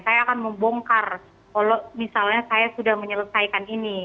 saya akan membongkar kalau misalnya saya sudah menyelesaikan ini